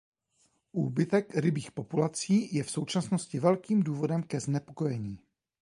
Úbytek rybích populací je v současnosti velkým důvodem ke znepokojení.